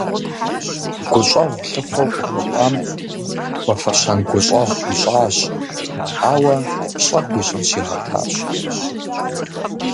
Гущӏэгъу лъыхъуэу къыхуэкӏуам хуэфащэн гущӏэгъу хуищӏащ, ауэ пщӏэ хуищӏын щигъэтащ.